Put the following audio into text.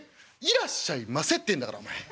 『いらっしゃいませ』ってんだからお前」。